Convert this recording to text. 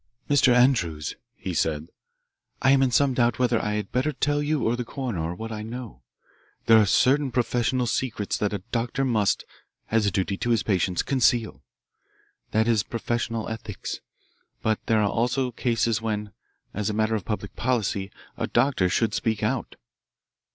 "Mr. Andrews," he said, "I am in some doubt whether I had better tell you or the coroner what I know. There are certain professional secrets that a doctor must, as a duty to his patients, conceal. That is professional ethics. But there are also cases when, as a matter of public policy, a doctor should speak out."